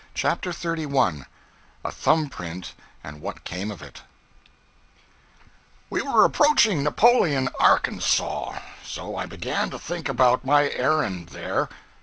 CHAPTER 31 A Thumb print and What Came of It WE were approaching Napoleon, Arkansas. So I began to think about my errand there.